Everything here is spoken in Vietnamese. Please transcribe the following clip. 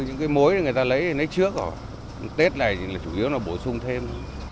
những cái mối người ta lấy thì lấy trước tết này thì chủ yếu là bổ sung thêm